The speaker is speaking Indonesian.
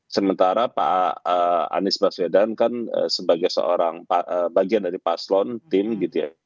sementara pak anies baswedan kan sebagai seorang bagian dari paslon tim gitu ya